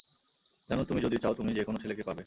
জানো তুমি যদি চাও তুমি যেকোন ছেলেকে পাবে।